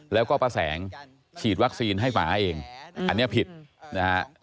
แล้วก็ป้าแสงฉีดวัคซีนให้หมาเองอันนี้ผิดนะฮะ